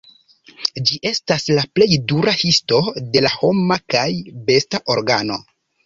Ĝi estas la plej dura histo de la homa kaj besta organo.